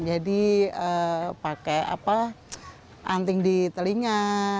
jadi pakai anting di telinga